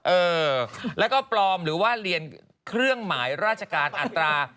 เออแล้วก็ปลอมหรือว่าเรียนเครื่องหมายราชการอัตรา